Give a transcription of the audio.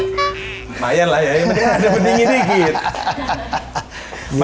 mayan lah ya yang penting ada beding ini gitu